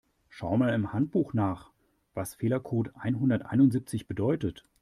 Schau mal im Handbuch nach, was Fehlercode einhunderteinundsiebzig bedeutet.